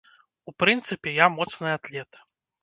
У прынцыпе, я моцны атлет.